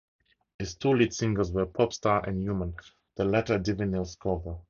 Its two lead singles were "Popstar" and "Human", the latter a Divinyls cover.